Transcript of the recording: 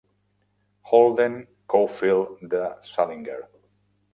Holden Caulfield de Salinger.